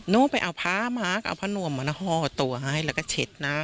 โน้นไปเอาพามาเอาพาหน่วงมาหน่อตัวให้แล้วก็เฉดน้ำ